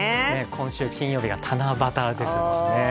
今週金曜日が七夕ですもんね。